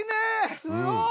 すごい！